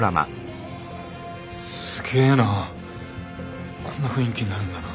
すげえなこんな雰囲気になるんだな。